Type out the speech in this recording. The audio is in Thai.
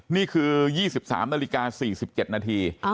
นี่คือ๒๓นาฬิกา๔๗นาที